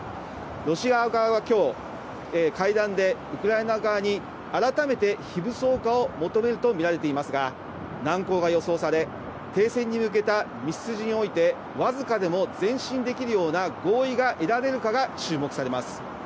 ロシア側はきょう、会談でウクライナ側に改めて非武装化を求めると見られていますが、難航が予想され、停戦に向けた道筋において僅かでも前進できるような合意が得られるかが、注目されます。